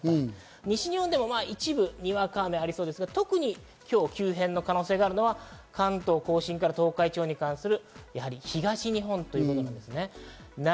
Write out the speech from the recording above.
西日本でも一部にわか雨ありそうですが、特に急変の可能性があるのは関東甲信から東海地方に関する、東日本というところです。